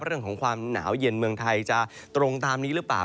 เรื่องของความหนาวเย็นเมืองไทยจะตรงตามนี้หรือเปล่า